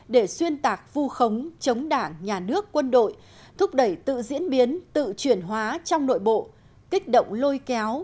để xuyên tạc vu khống chống đảng nhà nước quân đội thúc đẩy tự diễn biến tự chuyển hóa trong nội bộ kích động lôi kéo